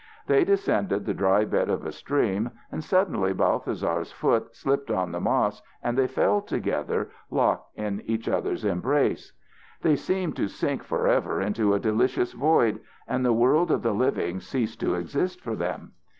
They descended the dry bed of a stream, and suddenly Balthasar's foot slipped on the moss and they fell together locked in each other's embrace. They seemed to sink forever into a delicious void, and the world of the living ceased to exist for them.